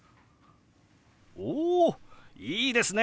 おいいですね！